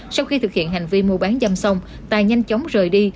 sau khi thực hiện hành vi mua bán dâm xong tài nhanh chóng rời đi